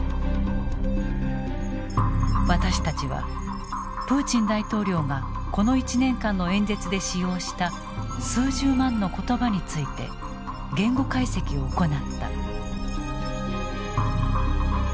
私たちはプーチン大統領がこの１年間の演説で使用した数十万の言葉について言語解析を行った。